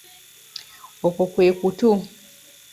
Okwo kwe kutu.